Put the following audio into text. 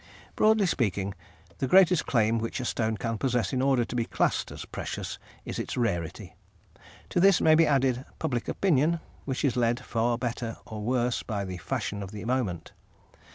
Broadly speaking, the greatest claim which a stone can possess in order to be classed as precious is its rarity. To this may be added public opinion, which is led for better or worse by the fashion of the moment.